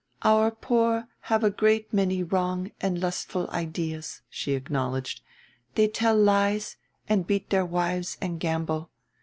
"Our poor have a great many wrong and lustful ideas," she acknowledged; "they tell lies and beat their wives and gamble.